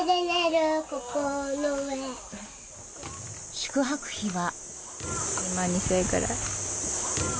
宿泊費は。